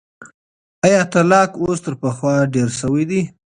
ایا طلاق اوس تر پخوا ډېر سوی دی؟